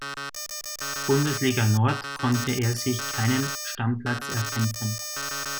Bundesliga Nord konnte er sich keinen Stammplatz erkämpfen.